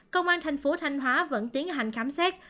công an thành phố thanh hóa vẫn tiến hành khám xét